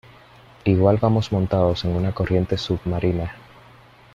igual vamos montados en una corriente submarina